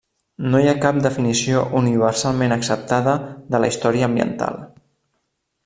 No hi ha cap definició universalment acceptada de la història ambiental.